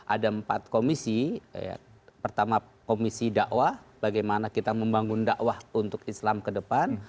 ada empat komisi pertama komisi dakwah bagaimana kita membangun dakwah untuk islam ke depan